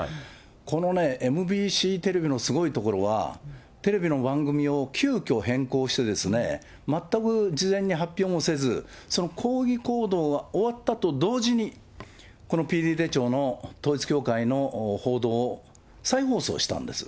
この、ＭＢＣテレビのすごいところは、テレビの番組を急きょ変更してですね、全く事前に発表もせず、その抗議行動が終わったと同時に、このＰＤ手帳の統一教会の報道を再放送したんです。